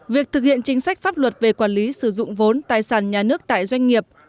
việc thực hiện chính sách pháp luật về quản lý sử dụng vốn tài sản nhà nước tại doanh nghiệp